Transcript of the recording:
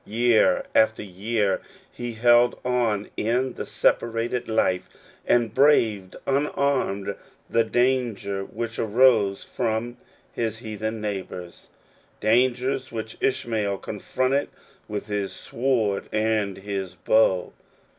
Year after year he held on in the separated life, and braved unarmed the dan ger which arose from his heathen neighbors — clan gers which Ishmael confronted with his sword and with his bow.